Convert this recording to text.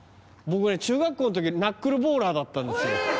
僕ね中学校のときナックルボーラーだったんですよえ！